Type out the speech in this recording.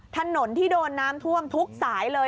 ถนนที่โดนน้ำท่วมทุกสายเลย